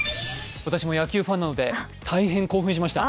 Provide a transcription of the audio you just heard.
私も野球ファンなので大変興奮しました。